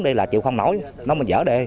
đây là chịu không nổi nó mới dở đê